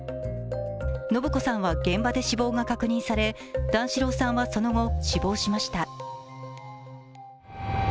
延子さんは現場で死亡が確認され段四郎さんは、その後死亡しました。